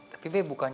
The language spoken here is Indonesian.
tapi be bukan